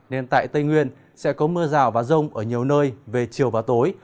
nên tại tây nguyên sẽ có mưa rào và rông ở nhiều nơi về chiều và tối